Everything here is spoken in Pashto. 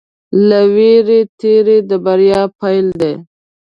له وېرې تېری د بریا پيل دی.